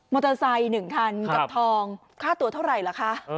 มอเตอร์ไซค์หนึ่งทันกับทองค่าตั๋วเท่าไหร่ละคะ